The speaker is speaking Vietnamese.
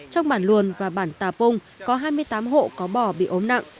trong bản luồn và bản tà pung có hai mươi tám hộ có bò bị ốm nặng